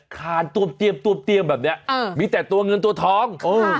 คานตวมเตียมแบบนี้มีแต่ตัวเงินตัวทอง